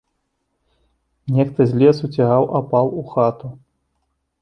Нехта з лесу цягаў апал у хату.